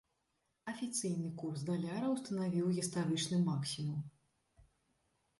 Афіцыйны курс даляра ўстанавіў гістарычны максімум.